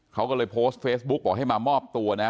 เขาก็เลยโพสต์เฟซบุ๊กบอกให้มามอบตัวนะ